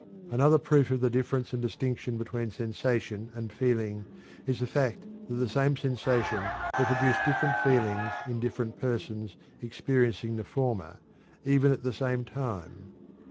Another proof of the difference and distinction between sensation and feeling is the fact that the same sensation will produce different feelings in different persons experiencing the former, even at the same time.